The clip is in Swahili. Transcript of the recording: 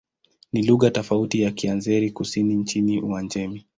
Ni lugha tofauti na Kiazeri-Kusini nchini Uajemi.